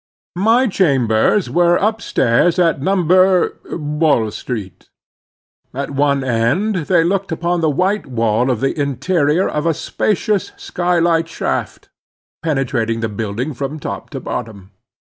My chambers were up stairs at No.—Wall street. At one end they looked upon the white wall of the interior of a spacious sky light shaft, penetrating the building from top to bottom.